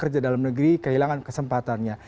kerja dalam negeri kehilangan kesempatannya